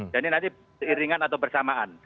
jadi nanti iringan atau bersamaan